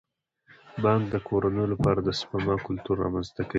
بانک د کورنیو لپاره د سپما کلتور رامنځته کوي.